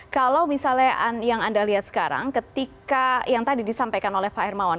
kalau misalnya yang anda lihat sekarang ketika yang tadi disampaikan oleh pak hermawan